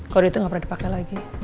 kode itu gak pernah dipake lagi